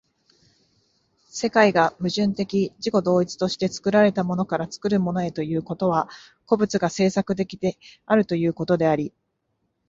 世界が矛盾的自己同一として作られたものから作るものへということは、個物が製作的であるということであり、